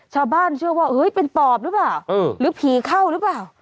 ชาวบ้านเชื่อว่าเฮ้ยเป็นปอบหรือเปล่าหรือผีเข้าหรือเปล่า